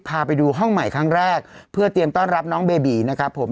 พาไปดูห้องใหม่ครั้งแรกเพื่อเตรียมต้อนรับน้องเบบีนะครับผม